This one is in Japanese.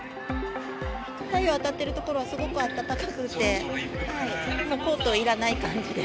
太陽当たっている所はすごく暖かくて、コートいらない感じで。